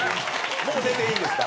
・もう出ていいんですか？